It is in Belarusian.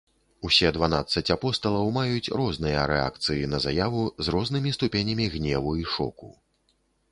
Усе дванаццаць апосталаў маюць розныя рэакцыі на заяву, з рознымі ступенямі гневу і шоку.